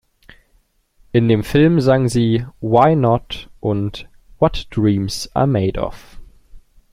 In dem Film sang sie "Why not" und "What dreams are made of".